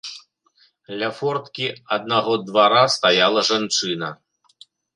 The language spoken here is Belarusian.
Ля форткі аднаго двара стаяла жанчына.